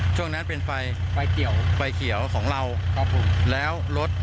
ช่วงนั้นเป็นไฟไฟเขียวของเราแล้วรถ